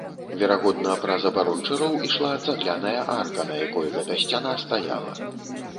Верагодна, праз абарончы роў ішла цагляная арка, на якой гэта сцяна стаяла.